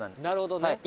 なるほどね。